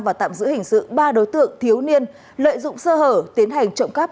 và tạm giữ hình sự ba đối tượng thiếu niên lợi dụng sơ hở tiến hành trộm cắp